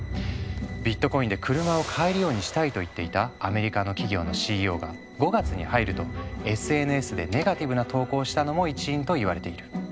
ビットコインで車を買えるようにしたいと言っていたアメリカの企業のＣＥＯが５月に入るとＳＮＳでネガティブな投稿をしたのも一因といわれている。